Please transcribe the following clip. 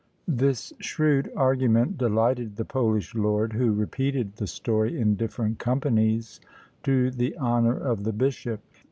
This shrewd argument delighted the Polish lord, who repeated the story in different companies, to the honour of the bishop.